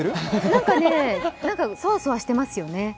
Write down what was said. なんかね、そわそわしてますよね。